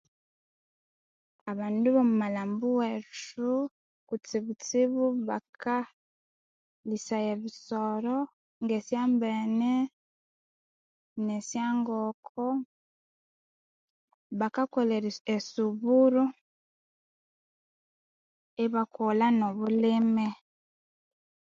Abandu bomwamalhambo wethu kutsisibu bakalisaya ebisoro nesyambene nesyangonko bakakolha esuburu ibakolha nobyobulime